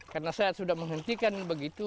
karena saya sudah menghentikan begitu